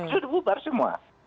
sudah bubar semua